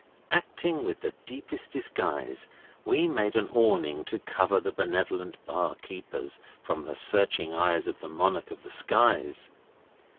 Acting with the deepest disguise, we made an awning to cover the Benevolent Bar keepers from the searching rays of the monarch of the skies.